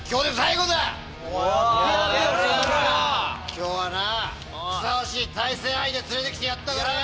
今日はなふさわしい対戦相手連れてきてやったからよ。